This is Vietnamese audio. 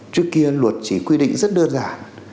trước kia luật chỉ quy định rất đơn giản